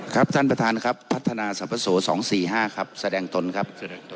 ครับท่านประธานครับพัฒนาสรรพโส๒๔๕ครับแสดงตนครับ